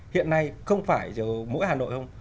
hiện nay không phải mỗi hà nội không